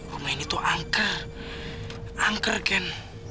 rumah ini tuh angker angker ken